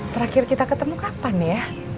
terakhir kita ketemu kapan ya